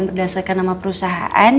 berdasarkan nama perusahaan